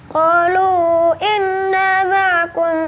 qalu innama ba'akum